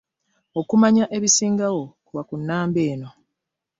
Okumanya ebisingawo kuba ku nnamba eno.